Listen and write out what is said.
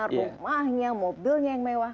rumahnya mobilnya yang mewah